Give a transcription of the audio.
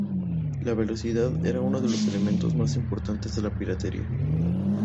La velocidad era uno de los elementos más importantes de la piratería.